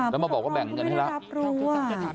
ใช่ค่ะพี่บอกว่าแบ่งกันให้รับ